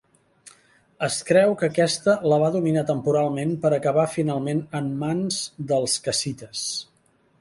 Es creu que aquesta la va dominar temporalment per acabar finalment en mans dels cassites.